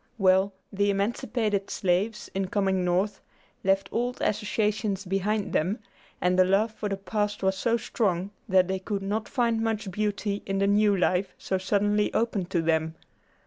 Well, the emancipated slaves, in coming North, left old associations behind them, and the love for the past was so strong that they could not find much beauty in the new life so suddenly opened to them.